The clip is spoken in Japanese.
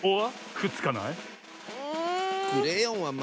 くっつかない！